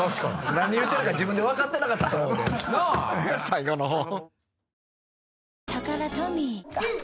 何言うてるか自分で分かってなかった最後のほう。